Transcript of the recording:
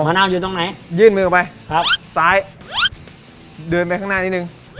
นาวยืนตรงไหนยื่นมือออกไปครับซ้ายเดินไปข้างหน้านิดนึง